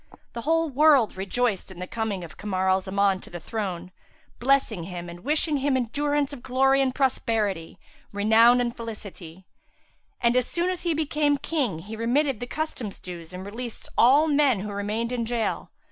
The whole world rejoiced in the coming of Kamar al Zaman to the throne, blessing him and wishing him endurance of glory and prosperity, renown and felicity; and, as soon as he became King, he remitted the customs dues and released all men who remained in gaol.